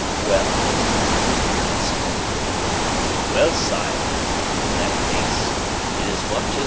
"Well, and, consequently " "Well, sire, in that case, inasmuch as M.